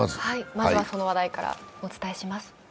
まずはその話題からお伝えします。